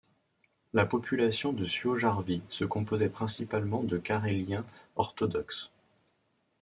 La population de Suojärvi se composait principalement de Caréliens orthodoxes.